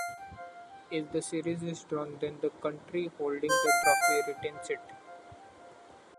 If the series is drawn, then the country holding the trophy retains it.